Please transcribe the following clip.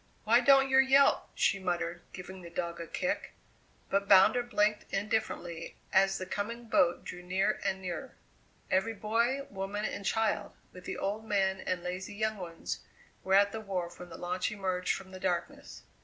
"Why don't yer yelp?" she muttered, giving the dog a kick. But Bounder blinked indifferently as the coming boat drew near and nearer. Every boy, woman, and child, with the old men and lazy young ones, were at the wharf when the launch emerged from the darkness.